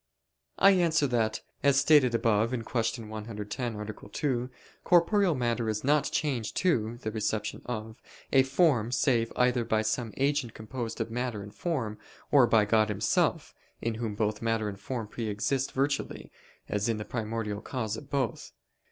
I answer that, As stated above (Q. 110, A. 2), corporeal matter is not changed to (the reception of) a form save either by some agent composed of matter and form, or by God Himself, in whom both matter and form pre exist virtually, as in the primordial cause of both.